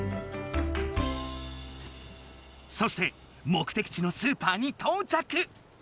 そして目的地のスーパーにとうちゃく！